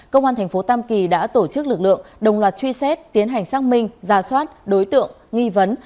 công an thành phố tam kỳ đã tổ chức lực lượng đồng loạt truy xét tiến hành xác minh ra soát đối tượng nghi vấn